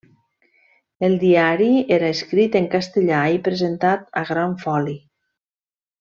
El diari era escrit en castellà i presentat a gran foli.